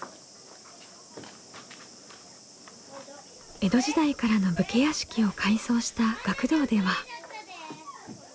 江戸時代からの武家屋敷を改装した学童では。